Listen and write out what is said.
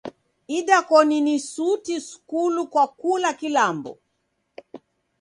Idakoni ni suti skulu kwa kula kilambo!